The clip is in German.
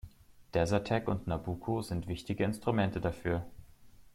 Desertec und Nabucco sind wichtige Instrumente dafür.